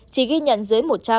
chỉ ghi nhận dưới một trăm linh